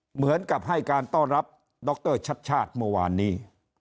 เหมือนกับให้การต้อนรับดรชัดชาติเมื่อวานนี้